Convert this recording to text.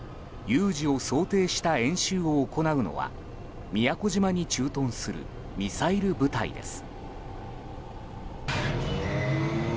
有事を想定した演習を行うのは宮古島に駐屯するミサイル部隊です。